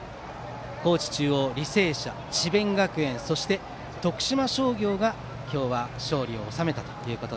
高知中央、履正社智弁学園、徳島商業が今日は勝利を収めました。